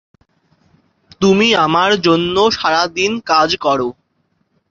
Terminal রেখাটি কালো এবং খুব সরু।